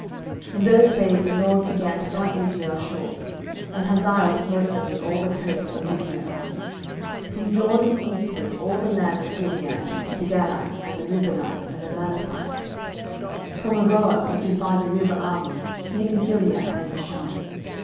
12:010:032 In those days the LORD began to cut Israel short: and Hazael smote them in all the coasts of Israel; 12:010:033 From Jordan eastward, all the land of Gilead, the Gadites, and the Reubenites, and the Manassites, from Aroer, which is by the river Arnon, even Gilead and Bashan.